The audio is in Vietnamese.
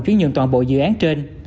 chuyển nhượng toàn bộ dự án trên